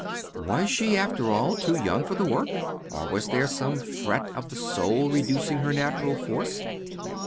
Was she, after all, too young for the work, or was there some fret of the soul reducing her natural force?